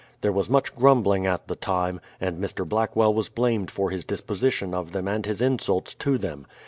There was much grumbling at the time, and Mr. Blackwell was blamed for his disposition of them and his insults to them.